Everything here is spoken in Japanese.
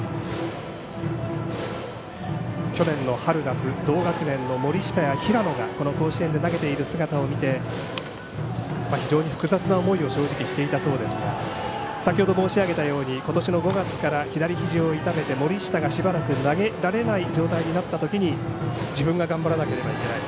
去年の春夏同学年の森下や平野が甲子園で投げている姿を見て非常に複雑な思いを正直、していたそうですが先ほど申し上げたように今年の５月から左ひじを痛めて森下がしばらく投げられない状態になった時に自分が頑張らなければいけない。